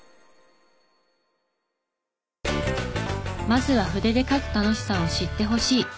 まずは筆で書く楽しさを知ってほしい。